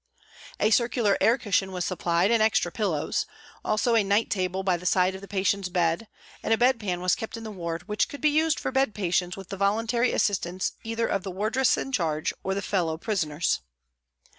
A circular air cushion was supplied and extra pillows ; also a night table by the side of the patient's bed, and a bed pan was kept in the ward which could be used for bed patients with the voluntary assistance either of the wardress in charge or of the fellow prisoners.